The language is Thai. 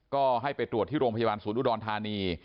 ก็ให้ไปตรวจที่โรงพยาบาลศูนย์อุดรธานี